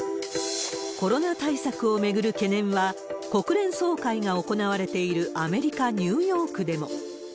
コロナ対策を巡る懸念は国連総会が行われているアメリカ・ニューヨークでも。